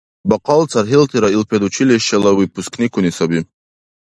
Бахъал цархӀилтира ил педучилищела выпускникуни саби.